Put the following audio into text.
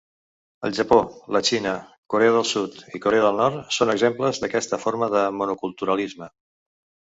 El Japó, la Xina, Corea del Sud i Corea del Nord són exemples d'aquesta forma de monoculturalisme.